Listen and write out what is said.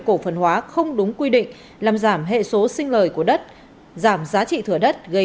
cổ phần hóa không đúng quy định làm giảm hệ số sinh lời của đất giảm giá trị thửa đất gây